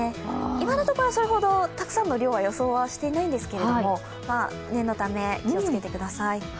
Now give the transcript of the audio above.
今のところはそれほどたくさんの量は予想はしていないんですが念のため、気をつけてください。